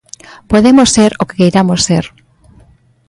Podemos ser o que queiramos ser.